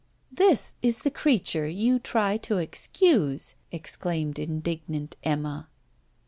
'This is the creature you try to excuse!' exclaimed indignant Emma.